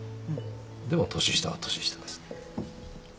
でも年下は年下です。